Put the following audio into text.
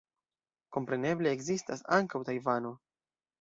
Kompreneble, ekzistas ankaŭ Tajvano.